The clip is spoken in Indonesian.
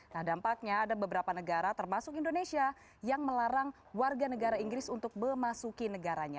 nah dampaknya ada beberapa negara termasuk indonesia yang melarang warga negara inggris untuk memasuki negaranya